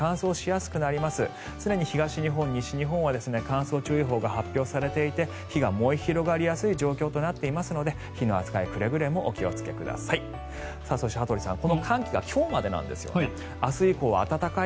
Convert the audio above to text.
すでに東日本、西日本は乾燥注意報が発表されていて火が燃え広がりやすい状況となっていますので火の扱いにはくれぐれもお気をつけください。